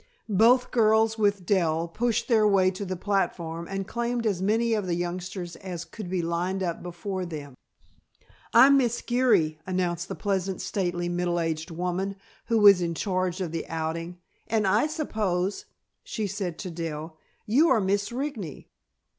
Both girls, with Dell, pushed their way to the platform and claimed as many of the youngsters as could be lined up before them. "I'm Miss Geary," announced the pleasant, stately, middle aged woman who was in charge of the outing, "and I suppose," she said to Dell, "you are Miss Rigney."